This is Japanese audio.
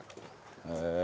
へえ。